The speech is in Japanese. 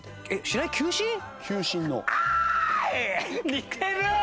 似てる！